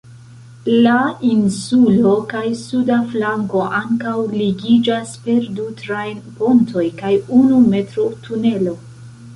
La insulo kaj suda flanko ankaŭ ligiĝas per du trajn-pontoj kaj unu metro-tunelo.